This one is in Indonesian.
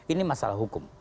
ini masalah hukum